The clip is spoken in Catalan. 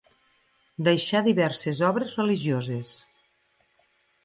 Deixà diverses obres religioses.